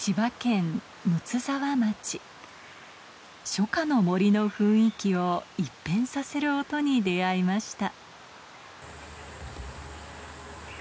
初夏の森の雰囲気を一変させる音に出合いました